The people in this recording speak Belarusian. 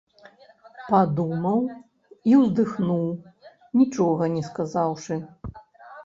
Падумаў і ўздыхнуў, нічога не сказаўшы.